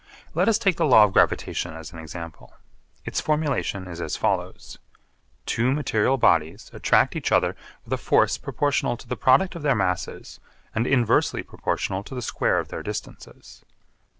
Let us take the law of gravitation as an example. Its formulation is as follows: Two material bodies attract each other with a force proportional to the product of their masses and inversely proportional to the square of their distances.